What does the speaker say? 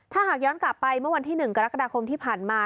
ถ้าหากย้อนกลับไปเมื่อวันที่๑กรกฎาคมที่ผ่านมา